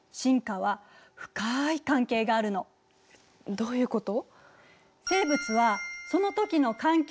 どういうこと？